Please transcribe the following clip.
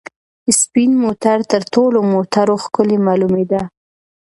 سپین موټر تر ټولو موټرو ښکلی معلومېده.